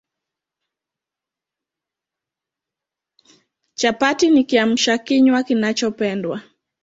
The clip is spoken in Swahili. Chapati ni Kiamsha kinywa kinachopendwa